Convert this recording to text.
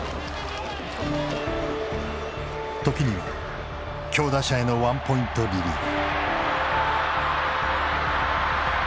時には強打者へのワンポイントリリーフ。